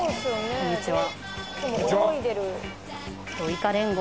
こんにちは！